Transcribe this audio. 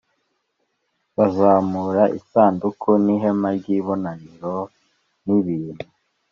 Bazamura isanduku n ihema ry ibonaniro n ibintu